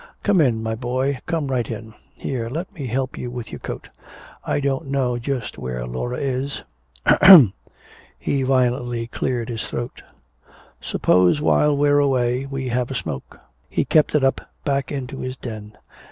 "Come in, my boy, come right in! Here, let me help you with your coat. I don't know just where Laura is. Ahem!" He violently cleared his throat. "Suppose while we're waiting we have a smoke." He kept it up back into his den.